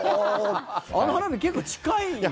あの花火、結構近いね。